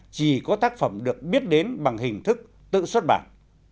chỉ có tác phẩm được biết đến bằng hình thức tự xuất bản